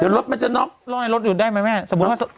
เดี๋ยวรถมันจะน็อกล่อยรถอยู่ได้ไหมแม่สมมุติว่า